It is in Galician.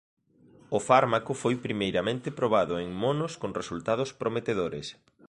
O fármaco foi primeiramente probado en monos con resultados prometedores.